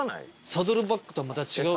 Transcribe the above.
サドルバックとはまた違う？